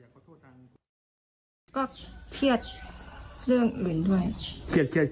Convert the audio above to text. ก็เครียดเรื่องอื่นด้วย